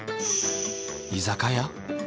居酒屋？